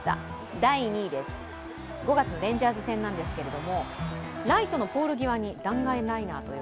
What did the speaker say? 第２位です、５月のレンジャーズ戦なんですけれども、ライトのポール際に弾丸ライナー。